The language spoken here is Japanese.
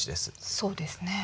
そうですね。